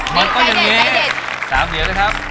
มันก็อย่างนี้๓เหรียญเลยครับ